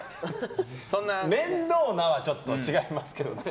「面倒な」はちょっと違いますけどね。